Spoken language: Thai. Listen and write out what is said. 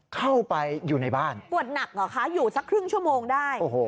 เข้าไปอยู่ในบ้านปวดหนักเหรอคะอยู่สักครึ่งชั่วโมงได้